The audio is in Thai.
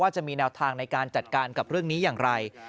จะมีแนวทางในการจัดการกับเรื่องนี้อย่างไร